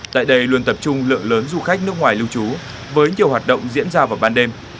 tại đây luôn tập trung lượng lớn du khách nước ngoài lưu trú với nhiều hoạt động diễn ra vào ban đêm